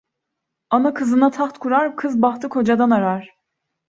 Ana kızına taht kurar, kız bahtı kocadan arar.